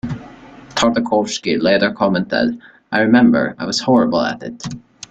Tartakovsky later commented, I remember, I was horrible at it.